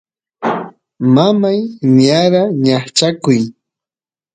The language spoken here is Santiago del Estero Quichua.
mamay niyara ñaqchakuy